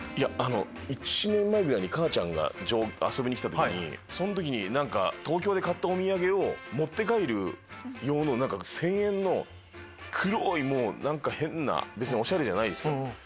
１年前ぐらいに母ちゃんが遊びに来た時にその時に東京で買ったお土産を持って帰る用の１０００円の黒い変な別におしゃれじゃない。